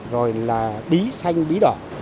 rồi là bí xanh bí đỏ